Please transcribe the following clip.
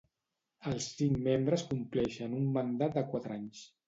Els cinc membres compleixen un mandat de quatre anys.